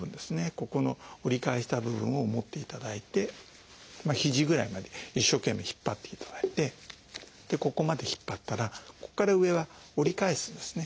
ここの折り返した部分を持っていただいてひじぐらいまで一生懸命引っ張っていただいてここまで引っ張ったらここから上は折り返すんですね。